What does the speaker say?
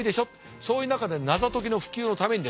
そういう中で謎解きの普及のためにですね